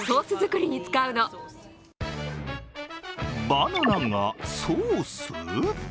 バナナがソース！？